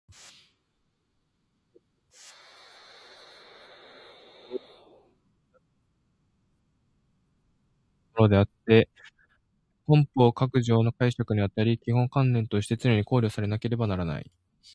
本条は労働者に人格として価値ある生活を営む必要を充すべき労働条件を保障することを宣明したものであつて本法各条の解釈にあたり基本観念として常に考慮されなければならない。